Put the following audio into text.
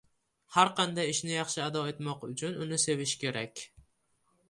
Har qanday ishni yaxshi ado etmoq uchun uni sevish kerak.